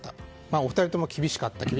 お二人とも厳しかったと。